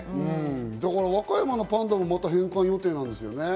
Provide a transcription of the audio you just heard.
和歌山のパンダも返還予定なんですよね。